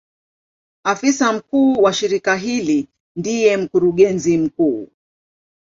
Afisa mkuu wa shirika hili ndiye Mkurugenzi mkuu.